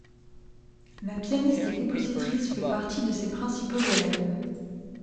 La pianiste et compositrice fait partie de ses principaux élèves.